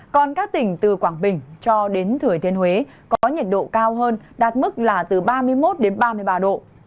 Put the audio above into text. còn các tỉnh từ quảng bình cho đến thừa thiên huế có nhiệt độ cao hơn đạt mức là từ ba mươi một đến ba mươi ba độ